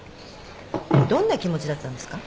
どんな気持ちだったんですか？